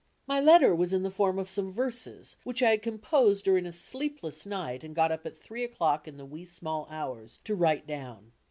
My letter was in the form of some verses, which I had composed during a sleepless night and got up at three o'clock in the wee sma' hours to write down.